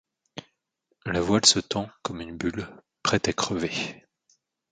La voile se tend comme une bulle prête à crever.